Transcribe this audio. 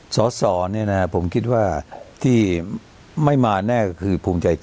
สอสอนี่นะฮะผมคิดว่าที่ไม่มาแน่ก็คือภูมิใจใจ